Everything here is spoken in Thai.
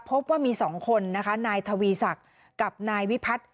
พบว่ามี๒คนนะคะนายทวีศักดิ์กับนายวิพัฒน์